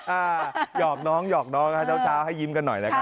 หยอกน้องหยอกน้องเช้าให้ยิ้มกันหน่อยนะครับ